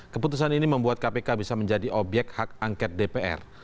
keputusan ini membuat kpk bisa menjadi obyek hak angket dpr